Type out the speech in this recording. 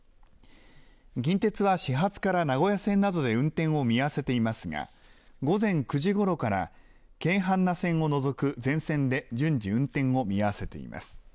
近鉄は始発から名古屋線などで運転を見合わせていますが、午前９時ごろからけいはんな線を除く全線で順次、運転を見合わせています。